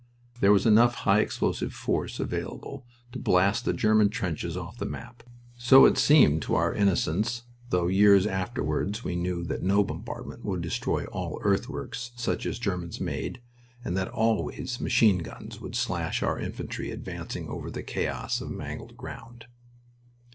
There was enough high explosive force available to blast the German trenches off the map. So it seemed to our innocence though years afterward we knew that no bombardment would destroy all earthworks such as Germans made, and that always machine guns would slash our infantry advancing over the chaos of mangled ground.